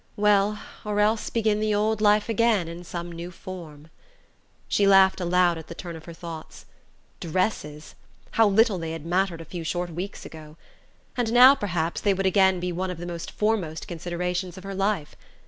Well, or else begin the old life again in some new form.... She laughed aloud at the turn of her thoughts. Dresses? How little they had mattered a few short weeks ago! And now, perhaps, they would again be one of the foremost considerations in her life.